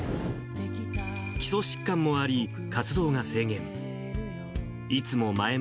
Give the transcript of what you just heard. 基礎疾患もあり、活動が制限。